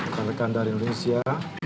kandekan dari indonesia